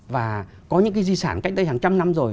và có những cái di sản cách đây hàng trăm năm rồi